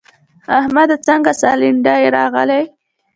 احمده څنګه سالنډی راغلې؟!